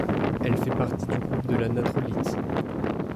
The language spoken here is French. Elle fait partie du groupe de la natrolite.